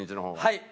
はい。